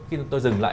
khi tôi dừng lại